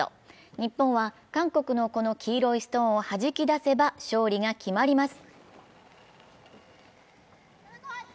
日本は韓国の黄色いストーンをはじき出せば勝利が決まります。